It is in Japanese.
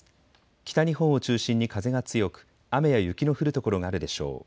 北日本を中心に風が強く雨や雪の降る所があるでしょう。